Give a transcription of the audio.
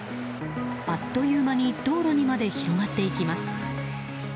あっという間に道路にまで広がっていきます。